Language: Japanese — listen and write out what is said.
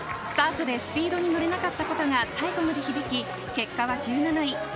スタートでスピードに乗れなかったことが最後まで響き、結果は１７位。